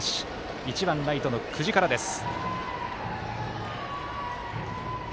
１番ライトの久慈からです。